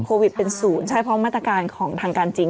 โควิดเป็นศูนย์ใช่เพราะมาตรการของทางการจริง